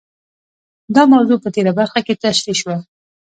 دا موضوع په تېره برخه کې تشرېح شوه.